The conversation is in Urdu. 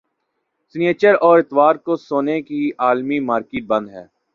سنیچر اور اتوار کو سونے کی عالمی مارکیٹ بند ہے